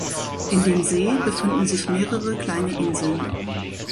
In dem See befinden sich mehrere kleine Inseln.